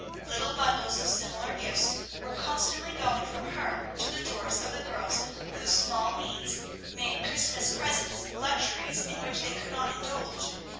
Little bundles of similar gifts were constantly going from her to the doors of the girls whose small means made Christmas presents luxuries in which they could not indulge.